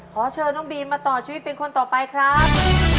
ขอเชิญน้องบีมมาต่อชีวิตเป็นคนต่อไปครับ